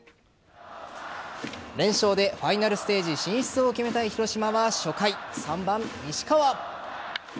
連勝でファイナルステージ進出を決めたい広島は初回３番・西川。